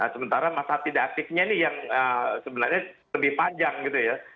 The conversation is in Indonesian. sementara masa tidak aktifnya ini yang sebenarnya lebih panjang gitu ya